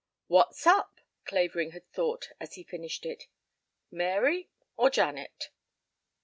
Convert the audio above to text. "What's up?" Clavering had thought as he finished it. "Mary or Janet?"